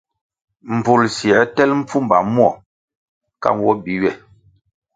Mbvul siē tel mpfumba mwo ka nwo bi ywe.